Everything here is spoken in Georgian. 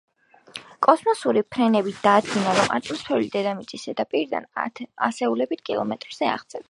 კოსმოსური ფრენებით დადგინდა რომ ატმოსფერო დედამიწის ზედაპირიდან ასეულობით კილომეტრზე აღწევს